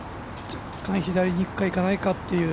若干左にいくか、いかないかっていう。